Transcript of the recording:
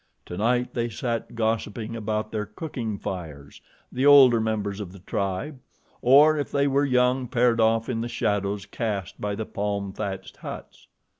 Tonight they sat gossiping about their cooking fires, the older members of the tribe; or, if they were young, paired off in the shadows cast by the palm thatched huts.